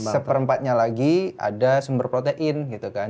seperempatnya lagi ada sumber protein gitu kan